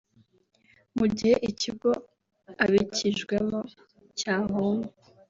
mu gihe ikigo abikijwemo cyahomba